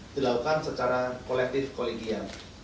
dilakukan secara kolektif kolegial